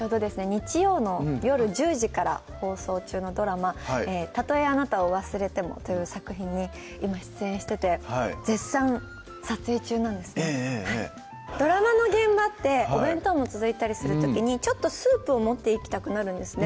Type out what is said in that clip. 日曜の夜１０時から放送中のドラマたとえあなたを忘れてもという作品に今絶賛撮影中なんですねドラマの現場ってお弁当も続いたりする時にちょっとスープを持っていきたくなるんですね